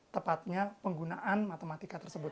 tepatnya penggunaan matematika tersebut